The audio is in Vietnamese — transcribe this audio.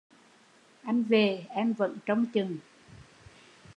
Anh về em vẫn trông chừng